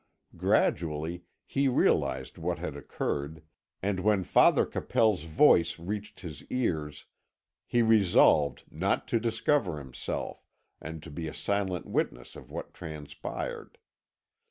Gradually he realised what had occurred, and when Father Capel's voice reached his ears he resolved not to discover himself, and to be a silent witness of what transpired.